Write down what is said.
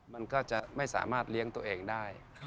มันก็จะไม่สามารถเลี้ยงตัวเองได้